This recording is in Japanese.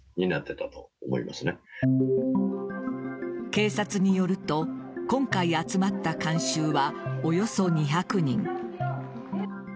警察によると今回集まった観衆はおよそ２００人。